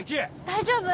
大丈夫？